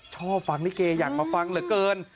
ชอบฟังลิเกอยากมาฟังเหลือเกิน